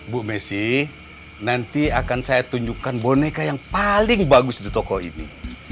bu messi nanti akan saya tunjukkan boneka yang paling bagus di toko ini